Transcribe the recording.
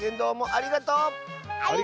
ありがとう！